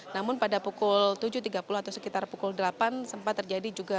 namun pada pukul tujuh tiga puluh atau sekitar pukul delapan sempat terjadi juga